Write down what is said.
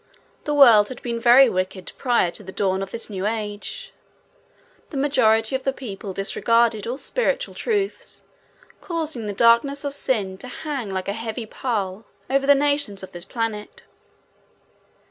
The world had been very wicked prior to the dawn of this new age. The majority of the people disregarded all spiritual truths, causing the darkness of sin to hang like a heavy pall over the nations of this planet.